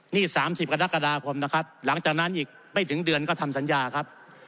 นี่๓๐กรกฎาคมนะครับหลังจากนั้นอีกไม่ถึงเดือนก็ทำสัญญาครับ